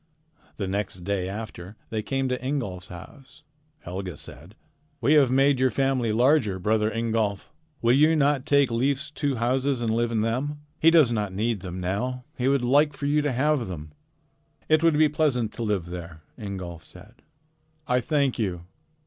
The next day after they came to Ingolf's house, Helga said: "We have made your family larger, brother Ingolf. Will you not take Leif's two houses and live in them? He does not need them now. He would like you to have them." "It would be pleasant to live there," Ingolf said. "I thank you."